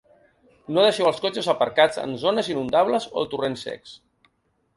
No deixeu els cotxes aparcats en zones inundables o torrents secs.